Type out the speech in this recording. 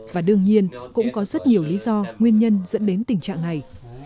và đương nhiên cũng có rất nhiều lý do nguyên nhân dẫn đến tình trạng này